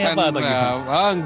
makanannya apa tadi